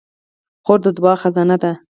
خور د دعاوو خزانه ده.